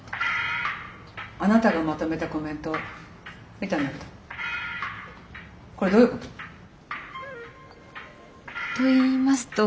あなたがまとめたコメント見たんだけどこれどういうこと？といいますと。